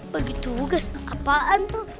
bagi tugas apaan tuh